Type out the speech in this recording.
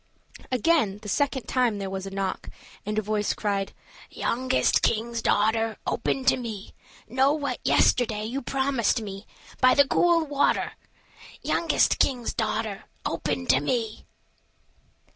Again, the second time there was a knock, and a voice cried: "Youngest king's daughter, Open to me; Know you what yesterday You promised me, By the cool water? Youngest king's daughter, Open to me."